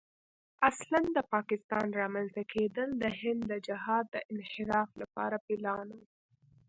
اصلاً د پاکستان رامنځته کېدل د هند د جهاد د انحراف لپاره پلان و.